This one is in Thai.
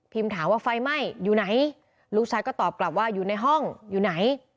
ถามว่าไฟไหม้อยู่ไหนลูกชายก็ตอบกลับว่าอยู่ในห้องอยู่ไหน